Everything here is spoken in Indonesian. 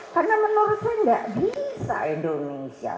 karena menurut saya gak bisa indonesia